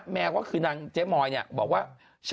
แมวก็คือนางเจ๊มอยเนี่ยบอกว่า